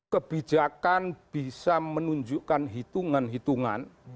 kebijakan bisa menunjukkan hitungan hitungan